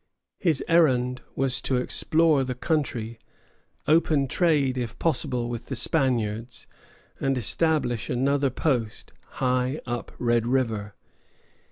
His errand was to explore the country, open trade if possible with the Spaniards, and establish another post high up Red River.